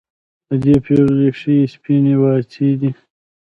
د دې پېغلې ښې سپينې واڅې دي